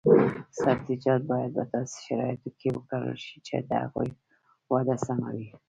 سبزیجات باید په داسې شرایطو کې وکرل شي چې د هغوی وده سمه وي.